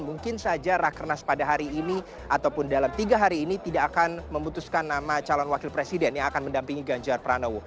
mungkin saja rakernas pada hari ini ataupun dalam tiga hari ini tidak akan memutuskan nama calon wakil presiden yang akan mendampingi ganjar pranowo